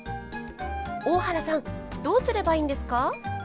大原さんどうすればいいんですか？